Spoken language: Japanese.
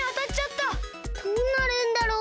どうなるんだろう？